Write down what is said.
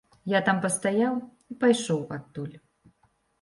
Я там пастаяў і пайшоў адтуль.